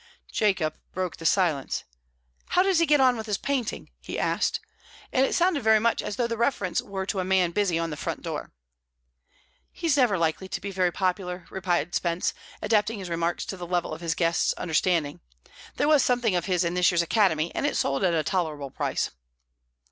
Jacob broke the silence. "How does he get on with his painting?" he asked and it sounded very much as though the reference were to a man busy on the front door. "He's never likely to be very popular," replied Spence, adapting his remarks to the level of his guests' understanding. "There was something of his in this year's Academy, and it sold at a tolerable price."